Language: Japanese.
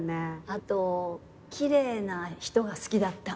あと奇麗な人が好きだった。